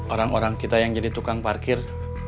orang orang kita yang jadi tukang parkir